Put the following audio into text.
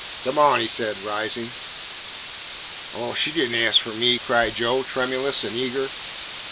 "Come on," he said, rising. "Oh, she did n't ask for me," cried Joe, tremulous and eager.